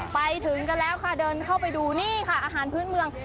ไปถึงกันแล้วค่ะเดินเข้าไปดูนี่ค่ะอาหารพื้นเมือง